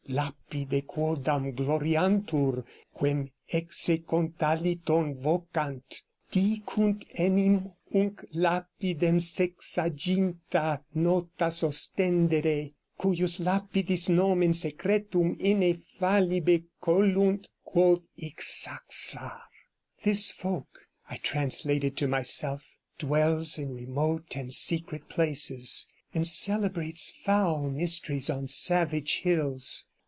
Lapide quodam gloriantur, quern Hexecontalithon vocant; dicunt enim hunc lapidem sexaginta notas ostendere. Cujus lapidis nomen secretum ineffabile colunt: quod Ixaxar.' 'This folk,' I translated to myself, 'dwells in remote and secret places, and celebrates foul mysteries on savage hills.